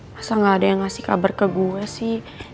masa gak ada yang ngasih kabar ke gue sih